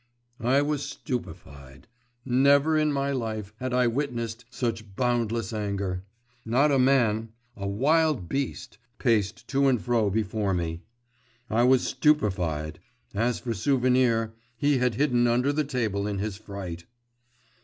I was stupefied; never in my life had I witnessed such boundless anger. Not a man a wild beast paced to and fro before me. I was stupefied … as for Souvenir, he had hidden under the table in his fright.